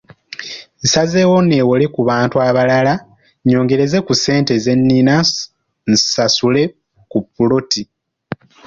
Nsazeewo nneewole ku bantu abalala nyongereze ku ssente ze nnina nsasule ku ppoloti.